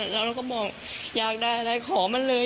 แล้วเราก็บอกอยากได้อะไรขอมันเลย